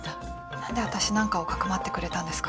何で私なんかを匿ってくれたんですか？